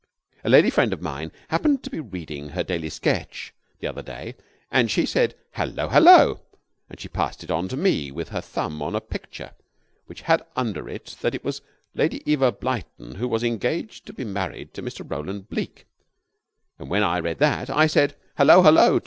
A lady friend of mine happened to be reading her Daily Sketch the other day, and she said 'Hullo! hullo!' and passed it on to me with her thumb on a picture which had under it that it was Lady Eva Blyton who was engaged to be married to Mr. Roland Bleke. And when I read that, I said 'Hullo! hullo!'